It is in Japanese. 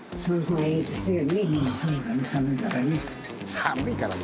「寒いからね」。